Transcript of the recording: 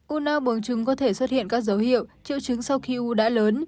u nang bùng trứng có thể xuất hiện các dấu hiệu triệu trứng sau khi u đã lớn